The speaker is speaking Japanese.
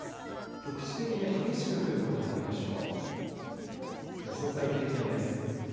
局地的に激しく降ることがあるでしょう。